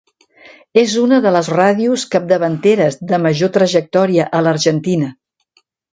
És una de les ràdios capdavanteres de major trajectòria a l'Argentina.